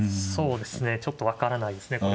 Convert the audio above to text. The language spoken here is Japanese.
そうですねちょっと分からないですね